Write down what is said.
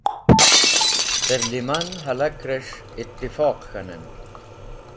Terlẽman hẽlakrẽs̃h itifoq k̃hanẽn.